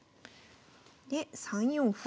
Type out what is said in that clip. で３四歩。